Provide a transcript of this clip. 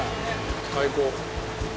最高。